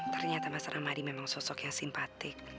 ternyata mas ramadi memang sosok yang simpatik